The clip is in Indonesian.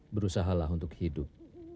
berusahalah untuk hidup